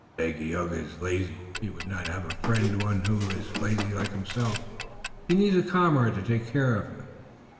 "Dagaeoga is lazy. He would not have as a friend one who is lazy like himself. He needs a comrade to take care of him.